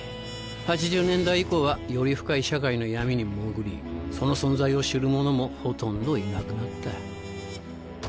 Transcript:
８０年代以降はより深い社会の闇に潜りその存在を知る者もほとんどいなくなった。